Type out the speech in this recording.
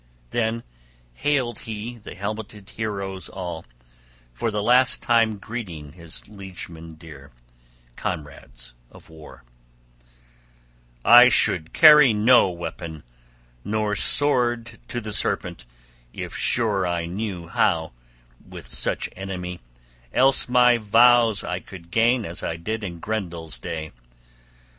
Then hailed he the helmeted heroes all, for the last time greeting his liegemen dear, comrades of war: "I should carry no weapon, no sword to the serpent, if sure I knew how, with such enemy, else my vows I could gain as I did in Grendel's day.